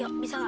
yuk bisa gak